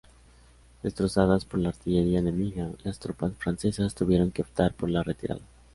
Destrozadas por la artillería enemiga, las tropas francesas tuvieron que optar por la retirada.